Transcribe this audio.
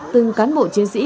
từng cán bộ chiến sĩ